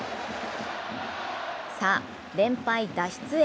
さぁ、連敗脱出へ。